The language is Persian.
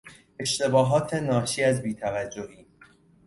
اشتباهات ناشی از بی توجهی